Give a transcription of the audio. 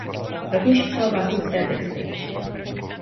Rovněž psal básnické texty.